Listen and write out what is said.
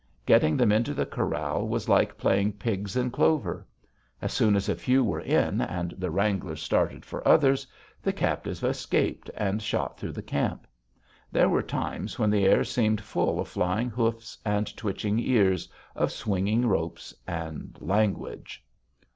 Getting them into the corral was like playing pigs in clover. As soon as a few were in, and the wrangler started for others, the captives escaped and shot through the camp. There were times when the air seemed full of flying hoofs and twitching ears, of swinging ropes and language.